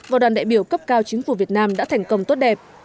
và đoàn đại biểu cấp cao chính phủ việt nam đã thành công tốt đẹp